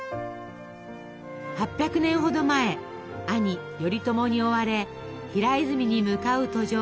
８００年ほど前兄頼朝に追われ平泉に向かう途上